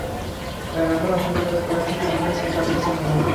A number of independent production companies rent offices on the lot.